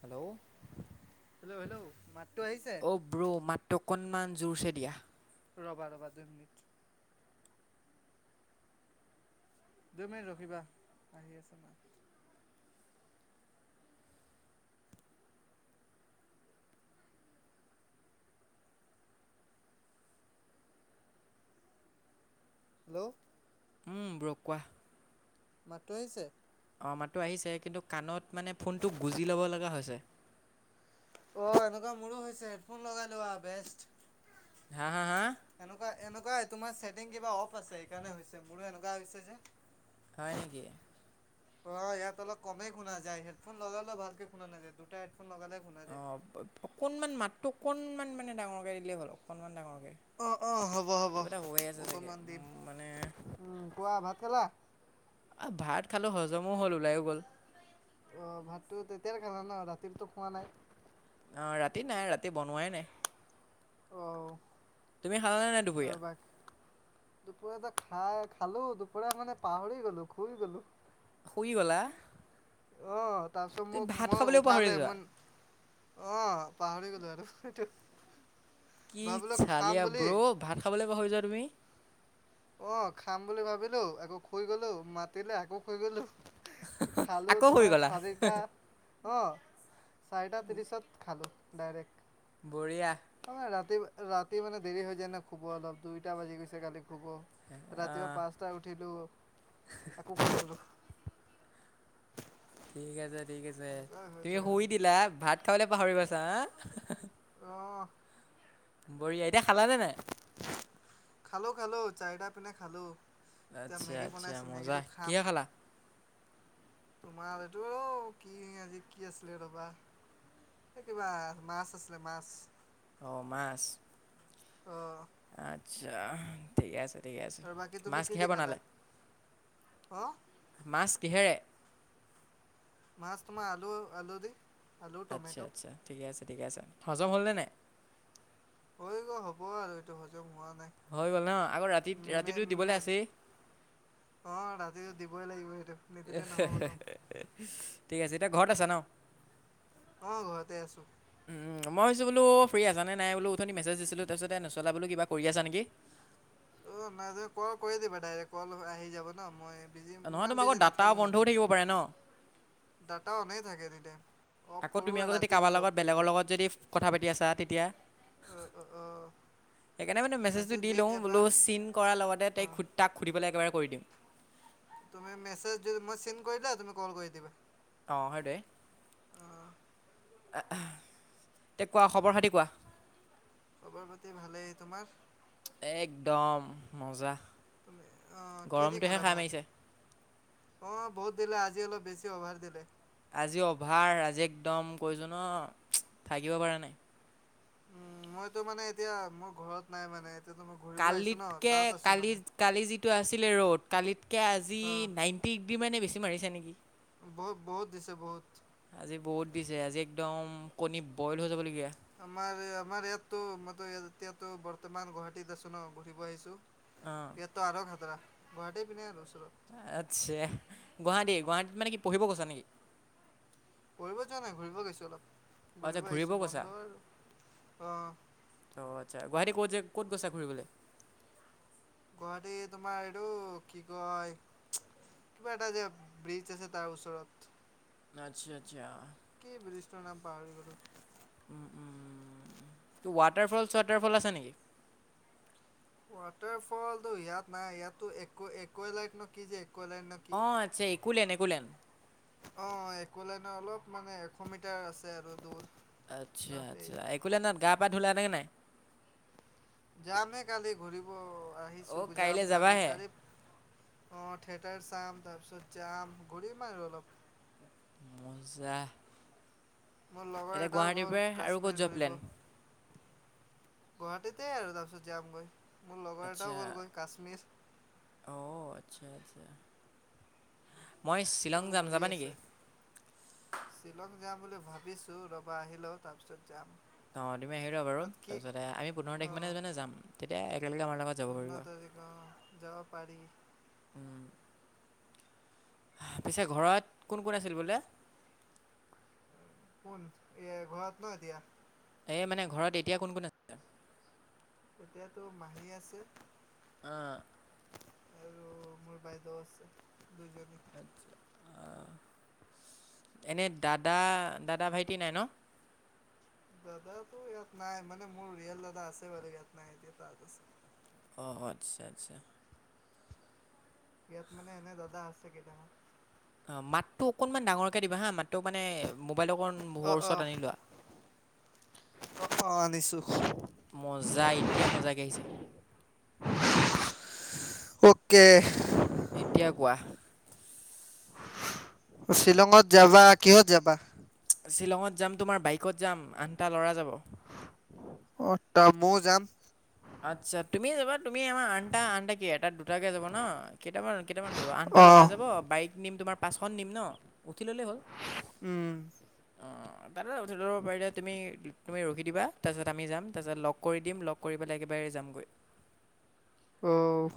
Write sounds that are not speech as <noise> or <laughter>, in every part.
Hello hello, hello, মাতটো আহিছে? Bro, মাতটো অকণমান জোৰছে দিয়া। ৰ'বা, ৰ'বা, দুই মিনিট দুই মিনিট ৰখিবা, আহি আছো। হেল্ল' উম ব্ৰ' কোৱা। মাতটো আহিছে? অ, মাতটো আহিছে, কিন্তু কাণত মানে ফোনটো গুজি ল'ব লগা হৈছে অ, এনেকুৱা মোৰো হৈছে, হেডফোন লগাই লোৱা বেষ্ট। হাঁ এনেকা এনেকাই, তোমাৰ চেটিং কিবা অফ আছে, হেইকাৰণে হৈছে, মোৰো এনেকুৱা হৈছে যে হয় নেকি? অ, ইয়াত অলপ কমেই শুনা যায়, হেডফোন লগালেও ভালকে শুনা নাযায়, দুটা হেডফোন লগালে শুনা অ, যায় অকণমান, মাতটো অকণমান মানে ডাঙৰকে দিলেই হ'ল, অকনমান ডাঙৰকে। অ অ হ'ব হ'ব কিবা এটা হৈ আছে চাগে, অকণমান দিম উম মানে উম কোৱা ভাত খালা অ, ভাত খালোঁ, হজমো হ'ল, ওলায়ো গ'ল। অ, ভাতটো তেতিয়াই খালা ন, ৰাতিতো খোৱা নাই? অ, ৰাতি নাই, ৰাতি বনোৱাই নাই। অ' তুমি খালানে <inaudible> আৰু বাক দুপৰীয়াতে খাই খালো, দুপৰীয়া মানে পাহৰি গলো, শুই গলো। শুই গলা? অ', তাৰপিছত তুমি মোক, ভাত মই খাবলৈও পাহৰি উঠালে যোৱা? মন অ, পাহৰি গলো আৰু, এইটো কি চালিয়া বুলি ব্ৰ', ভাত খাবলৈ পাহৰি যোৱা তুমি অ, খাম বুলি ভাবিলো, আকৌ শুই গলো, মাতিলে আকৌ শুই গলো খালো আকৌ শুই তোমাৰ গ'লা চাৰিটা অ চাৰিটা ত্ৰিশত খালো ডাইৰেক্ট বঢ়িয়া অ মানে ৰাতি ৰাতি মানে দেৰি হৈ যায় না শুব অলপ দুইটা বাজি গৈছে কালি শুব ৰাতিুৱা পাঁচটা উঠিলো আকৌ শুইগলো ঠিক আছে ঠিক আছে এনেকুৱাই হৈ তুমি যায় আৰু শুই দিলা ভাত খাবলৈ পাহৰি গৈছা হা। অঁ। বঢিয়া এতিয়া খালানে নাই। খালো খালো চাৰিটা পিনে খালো। আচ্ছা আচ্ছা মজা কিহে খালা। তোমাৰ এইটো কি আজি কি আছিলে ৰ'বা। হেই কিবা মাছ আছিলে মাছ। অঁ মাছ। উম। আচ্ছা। ঠিকে আছে ঠিকে আছে আৰু বাকী তুমি মাছ কি কিহে দি খালা বনালে অঁ মাছ কিহেৰে। মাছ তোমাৰ আলু আলু দি আলু আচ্ছা টমেটো আচ্ছা ঠিকে আছে ঠিকে আছে হজম হ'লনে নাই। হৈ গ'ল হ'ব আৰু এইটো হজম হোৱা নাই। হৈ গ'ল ন আকৌ ৰাতি ৰাতিটো দিবলৈ আছেই। অ ৰাতিটো দিবই লাগিব এইটো। এ হে হে ঠিক আছে এতিয়া ঘৰত আছা ন। উম ঘৰতে আছো। মই ভাবিছো বোলো ফ্ৰী আছা নে নাই বোলো উঠনি মেছেজ দিছিলো তাৰপিছতে নাচালা বোলো কিবা কৰি আছা নেকি। অ নাই যে কল কৰি দিবা ডাইৰেক্ট কল আহি যাব ন মই। বিজি নহয় ইমান তোমাৰ বিজি আকৌ ডাটাও নাথাকোঁ মানে বন্ধও থাকিব পাৰে ন। ডাটা অনে থাকে এনি টাইম। আকৌ তুমি আকৌ যদি কাবাৰ লগত বেলেগৰ লগত যদি কথা পাতি আছা তেতিয়া। অ অ অ' সেইকাৰণে মানে মেছেজটো মেছেজ দি লও বোলো এবাৰ চিন কৰাৰ লগতে অ তাইক সুধ। তাক সুধিবলৈ পেলাই একেবাৰে কৰি দিম। নহয় মেচেজ যদি মই চিন কৰিলে তুমি কল কৰি দিবা। অ সেইটোৱে। অ তে কোৱা খবৰ খাতি কোৱা। খবৰ খাতি ভালেই তোমাৰ। একদম মজা। অ কিহেদি গৰমটোহে খালা খাই ভাত। মাৰিছে অ বহুত দিলে আজি অলপ বেছি অভাৰ দিলে। আজি অভাৰ আজি একদম কৈছো ন থাকিব পাৰা নাই। উম মইতো মানে এতিয়া মোৰ ঘৰত নাই মানে। এতিয়াতো মই ঘূৰিব আহিছোঁ ন কালিতকে তাত আছোঁ কালি মানে কালি যিটো আছিলে ৰ'দ কালিতকৈ আজি অ নাইন। টিক দি মানে বেছি মাৰিছে নেকি। বহুত বহুত দিছে বহুত। আজি বহুত দিছে আজি একদম কণী বইল হৈ যাবলগীয়া। আমাৰ আমাৰ ইয়াতো মইতো এতিয়াতো বৰ্তমান গুৱাহাটীত আছো ন ঘূৰিব আহিছো। অঁ। ইয়াততো আৰু খাটৰা গুৱাহাটী পিনে আৰু ওচৰত। আচ্ছা, গুৱাহাটী, গুৱাহাটীত মানে কি পঢ়িব গৈছা নেকি। পঢ়িব যোৱা নাই ঘূৰিব গৈইছো অলপ অঁ আচ্ছা ঘূৰিব আহিছো গৈছা বন্ধ আৰু অ'। অ', আচ্ছা, গুৱাহাটী ক'ত যে ক'ত গৈছা ঘূৰিবলৈ? গুৱাহাটী তোমাৰ এইটো কি কয় কিবা এটা যে ব্ৰিজ আছে তাৰ ওচৰত। আচ্ছা, আচ্ছা। কি ব্ৰিজটো নাম পাহৰি গ'লো। উম, উম ত' ৱাটাৰ ফল ছুৱাটাৰ ফল আছে নেকি। ৱাটাৰ ফলটো ইয়াত নাই ইয়াতো একো, একো লাইট নে কি যে একোৱেলাইট ন কি অ', আচ্ছা একো লেন একো লেন। অ', একো লেন অলপ মানে এশ মিটাৰ আছে আৰু দূৰ আচ্ছা, তাতেই আচ্ছা একোলেনত গা-পা ধুলানে নাই? যামে কালি ঘূৰিব আহিছোঁ অঁ কাইলৈ যাম কালি, যাবাহে কালি অ', থিয়েটাৰ চাম তাৰপিছত যাম ঘূৰিম আৰু অলপ মজা। মোৰ লগৰ এতিয়া এটাও গুৱাহাটীৰ গ'ল পৰা আৰু ক'ত কাশ্মীৰ যোৱা ঘূৰিব প্লেন গুৱাহাটীতে আৰু তাৰপিছত যামগৈ। মোৰ লগৰ এটাও আচ্ছা গ'লগৈ কাশ্মীৰ অ', আচ্ছা, আচ্ছা। মই শ্বিলং চব যাম, ঘূৰি যাবা নেকি? আছে শ্বিলং যাম বুলি ভাবিছোঁ ৰবা আহি লও তাৰপিছত যাম। অ', তুমি আহি লোৱা বাৰু তাত কি তাৰপিছতে আমি পোন্ধৰ তাৰিখ অঁ মানে যাম তেতিয়া একেলগে আমাৰ লগত যাব পাৰিবা। অ', যাব পাৰি। উম আচ্ছা ঘৰত কোন, কোন আছিল বোলে? <unintelligible> এই মানে ঘৰত এতিয়া কোন, কোন আছে। এতিয়াতো মাহী আছে। অ'। আৰু মোৰ বাইদেউ আছে দুইজনী। এনে দাদা, দাদা ভাইটি নাই ন। দাদা টু ইয়াত নাই মানে মোৰ ৰিয়েল দাদা আছে বাৰু ইয়াত নাই এতিয়া তাত আছে। অ', আচ্ছা, আচ্ছা। ইয়াত মানে এনে দাদা আছে কেইটামান। অ', মাতটো অকণমান ডাঙৰকে দিবা হা মাতটো মানে মোবাইল অকণ মুখ অঁ ওচৰত অঁ আনি লোৱা। অঁ অঁ আনিছোঁ মজা এতিয়া মজাকে আহিছে। ওকে। এতিয়া কোৱা। শ্বিলঙত যাবা, কিহত যাবা? শ্বিলঙত যাম তোমাৰ বাইকত যাম আঠ টা ল'ৰা যাব। অ', তা ময়ও যাম। আচ্ছা তুমি যাবা তুমি আমাৰ আঠটা, আঠটা কি এটা দুটাকৈ যাব ন কেইটামান, কেইটামান যাব আঠটা অ ল'ৰা যাব বাইক নিম তোমাৰ পাঁচখন নিম ন উঠি ল'লেই হ'ল। উম। অ, অ। অঁ, তাতে উঠি ল'ব পাৰিলে তুমি, তুমি ৰখি দিবা, তাৰপাছত আমি যাম, তাৰপাছত লগ কৰি দিম, লগ কৰিব পেলাই বাহিৰে যামগৈ। উম।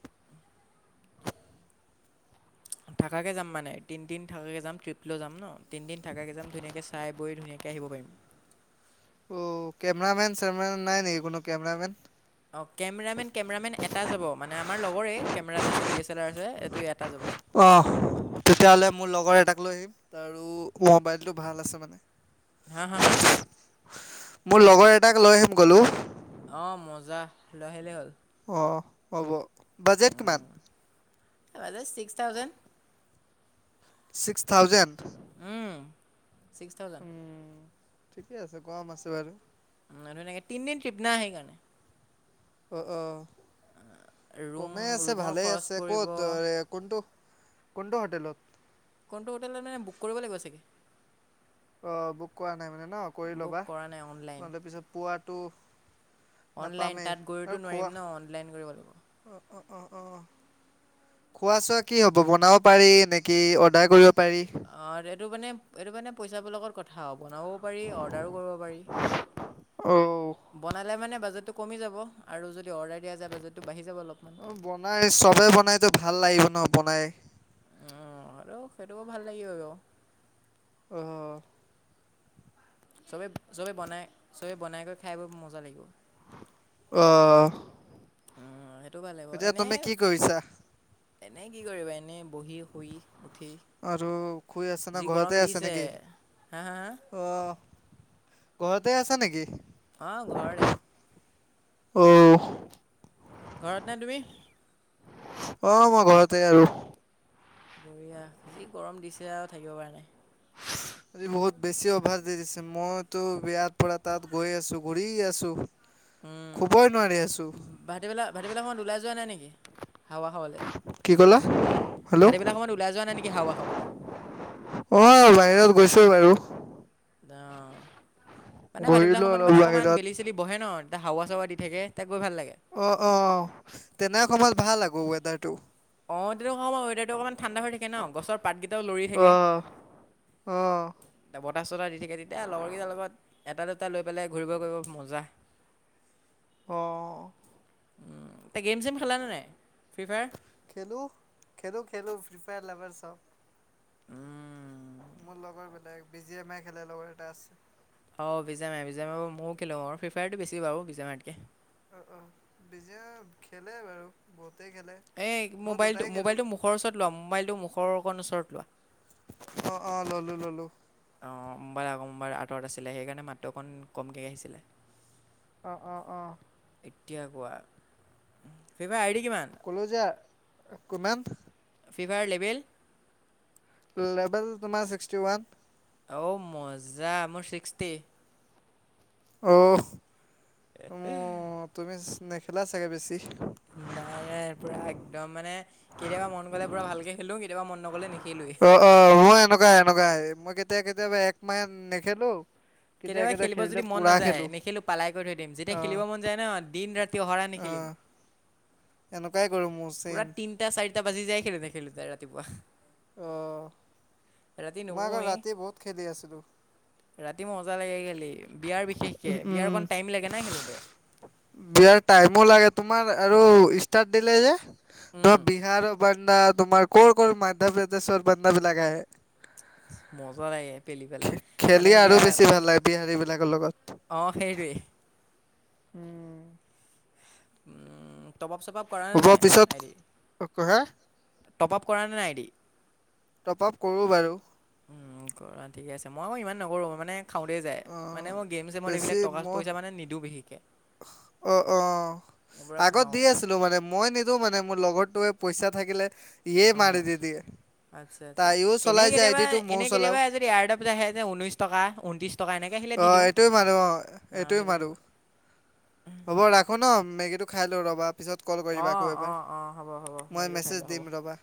<inaudible> থাকাকে যাম মানে, তিনিদিন থাকাকৈ যাম, ট্ৰিপলৈ যাম ন! তিনিদিন থাকাকে যাম, ধুনীয়াকৈ চাই বৈ, ধুনীয়াকৈ আহিব পাৰিম। অ, কেমেৰা মেন-চেমেৰা নাই নেকি! কোনো কেমেৰা মেন? অঁ, কেমেৰামেন-কেমেৰামেন এটা যাব, মানে আমাৰ লগৰে, কেমেৰা এটা আছে, ডি এছেলাৰ আছে, এইটো এটা যাব। অ, তেতিয়াহ'লে মোৰ লগৰ এটাক লৈ আহিম, আৰু মোবাইলটো ভাল আছে মানে। হা, হা, হা। মোৰ লগৰ এটাক লৈ আহিম ক'লো। অঁ, মজা লৈ আহিলেই হ'ল। অ, হ'ব। বাজেট কিমান um, average six thousand! Six thousand! Um, six thousand. ঠিকে আছে। কম আছে বাৰু। ধুনীয়াকে তিনিদিন ট্ৰিপ না, সেইকাৰণে। অ, অ, ৰুম কমেই আছে, ৰুমৰ ভালেই খৰচ আছে, পৰিব ক'ত কোনটো, কোনটো হোটেলত? কোনটো হোটেলত মানে, বুক কৰিব লাগিব চাগে! অ, বুক কৰা নাই মানে ন! কৰি বুক ল'বা, কৰা নাই অনলাইন নহ'লে পিছত পোৱাটো অনলাইন নাপামেই তাত গৈতো আৰু নোৱাৰিম খোৱা ন! অনলাইন কৰিব লাগিব। খোৱা-চোৱা কি হ'ব? বনাব পাৰি নেকি, অৰ্ডাৰ কৰিব পাৰি? অ, এইটো মানে, এইটো মানে পইচাবোৰ লগত কথা বনাবও পাৰি, অৰ্দাৰ ও কৰিব পাৰি। অ বনালে মানে বাজেট কমি যাব আৰু যদি অৰ্ডাৰ দিয়া যায়, বাজেটো বাঢ়ি যাব অলপমান। অ, বনাই, চবেই বনাইতো ভাল লাগিব ন, বনাই। উম, হ'লেও সেইটোকো ভাল লাগিব। উম। চবে-চবে বনাই, চবেই বনাই কৰি খাই মজা লাগিব। অ। অ' সেইটো ভাল লাগিব এতিয়া, এনেই তুমি কি কৰিছা? এনেই কি কৰিব, এনেই বহি শুই উঠি। আৰু শুই আছে না, যি গৰম ঘৰতে আছা দিছে নেকি? হা হা অ, ঘৰতে আছা নেকি? অঁ, ঘৰতে। অঁ। ঘৰত নে তুমি? অ, মই ঘৰতে আৰু। বঢ়িয়া, যি গৰম দিছে আৰু থাকিব পৰা নাই। আজি বহুত বেছি অভাৰ দি দিছে, মইতো ইয়াৰ পৰা তাত গৈ আছো, ঘূৰি আছো। শুবই নোৱাৰি আছো। ভাটিবেলা-ভাটিবেলাখন ওলাই যোৱা নাই নেকি? হাৱা খাবলৈ কি ক'লা হেল্ল' ভাটিবেলা সময়ত ওলাই যোৱা নাই নেকি হাৱা খাবলে। অ বাহিৰত গৈছোে বাৰু, অ মানে ভাটিবেলা ঘূৰিলো সময়ত অলপ মানে অকণমান বাহিৰত। বেলি চেলি বহে ন এ ত হাৱা চাৱা দি থাকে তাক গৈ ভাল লাগে। অ অ তেনে সময়ত ভাল আক ৱেডাৰটো। অ তেতিয়া সময়ৰ ৱেডাৰটো অকমান ঠাণ্ডা হৈ থাকে ন গছৰ পাতকেইটা লৰি থাকে। অঁ এতিয়া বতাহ চতাহ দি থাকে তেতিয়া লগৰ কেইটাৰ লগত এটা দুটা লৈ পেলাই ঘূৰিব কৰিব মজা। <inaudible> অঁ এতিয়া গেম চেম খেলানে নাই, ফ্ৰী ফায়াৰ। খেলো খেলো খেলো ফ্ৰী ফায়াৰ লভাৰ চব। উম। মোৰ লগৰ বিলাক বি জি এম আই খেলে লগৰ এটা আছে, অ বিজয়ামাই বিজাম ময়ো খেলো আৰু ফ্ৰী ফফায়াৰটো বেছি বাৰু বিজয়ামাইাতকে, অ বিজী খেলে বাৰু বহুতেই খেলে, এই মই মোবাইলটো দুটাই খেলোঁ। মোবাইলটো মুখৰ ওচৰত লোৱা মোবাইলটো মুখৰ অকণ ওচৰত লোৱা। অ অ ললো ললো। অঁ মোমবাৰ আকৌ মোমবাৰ আঁতৰত আছিলে সেইকাৰণে মাতটো অকণ কমকৈ আহিছিলে। অ অ অ এতিয়া কোৱা, ফ্ৰী ফায়াৰ আইডি কিমান? ক'লোঁ যে আ কিমান? Free fire level? লেবেল তোমাৰ ছিক্সটি ৱান। অঔ মজা মোৰ ছিক্সটি। অঁ এ অ তুমি নেখেলা চাগে বেছি। নাই নাই পুৰা একদম মানে কেতিয়াবা মন গ'লে পুৰা ভালকে খেলো কেতিয়াবা মন নগ'লে নেখেলোৱেই। অ অ মোৰ এনেকুৱা এনেকুৱাই মই কেতিয়া কেতিয়াবা একমাহ নেখেলো। কেতিয়া কেতিয়াবা কেতিয়া খেলিব খেলিলে যদি মন পুৰা নাযায় খেলো নেখেলোঁ পালাই কৰী থৈ দিম, অ যেতিয়া খেলিব মন যায় ন দিন ৰাতি অহৰা অ নেখেলিম। এনেকুৱাই কৰো মোৰ, পুৰা চেম তিনিটা চাৰিটা বাজি যায় খেলোতে খেলোতে ৰাতিপুৱা। অ ৰাতি মই আকৌ নুশোৱেই ৰাতি বহুত খেলি আছিলো ৰাতি মজা লাগে খেলি। বিয়াৰ বিশেষকে উম বিয়াৰ উম অকণ টাইম লাগে নাই খেলোঁতে। বিয়াৰ টাইমো লাগে তোমাৰ আৰু ষ্টাৰ্ট দিলে যে। তোমাৰ বিহাৰৰ বান্দা তোমাৰ ক'ৰ ক'ৰ মধ্য প্ৰদেশৰ বান্দা বিলাক আহে। মজা লাগে পেলি খে পেলাই মানে খেলি আৰু বেছি ভাল লাগে বিহাৰী বিলাকৰ লগত। অ সেইটোৱেই। উম উম টপাপ চপাপ কৰা নে নাই আই দি? ককহে, টপ আপ কৰা নে নাই আই দি? টপ আপ কৰোঁ বাৰু। উম, কৰা ঠিকে আছে, মই আকৌ ইমান নকৰোঁ, মই মানে খাওঁতেই যায়, অ মানে মই গেম-চেমত বেছি এইবিলাক মোৰ টকা-পইচা মানে নিদিওঁ বিশেষকৈ। অ' অ', মই পূৰা আগত খাওঁ দি আছিলোঁ মানে, মই নি তো, মানে মোৰ লগৰটোৱে পইচা থাকিলে ইয়ে মাৰি উম, দি দিয়ে। আচ্ছা আচ্ছা, তাইও চলাই এনেই যে আইডিটো ময়ো কেতিয়াবা-এনেই চলাও কেতিয়াবা আজ <unintelligible> আহে যে ঊনৈশ টকা, উন্ত্ৰিশ অ', এইটোৱেই মাৰো, অ' অঁ এইটোৱেই সেইটো দিব। মাৰো। হ'ব ৰাখোঁ ন, মেগীটো খাই লওঁ ৰ'বা পিছত কল কৰিবা অঁ আকৌ অঁ এবাৰ, অঁ হ'ব হ'ব মই মেগীটো খাই লোৱা মেছেজ হ'ব দিম ৰ'বা।